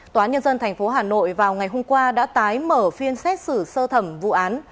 tòa nhân dân tp hà nội vào ngày hôm qua đã tái mở phiên xét xử sơ thẩm vụ án